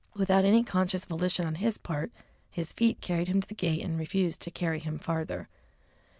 Without any conscious volition on his part, his feet carried him to the gate and refused to carry him farther.